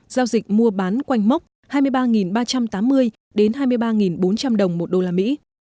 giao dịch mua bán quanh mốc hai mươi ba ba trăm tám mươi đến hai mươi ba bốn trăm linh đồng một đô la mỹ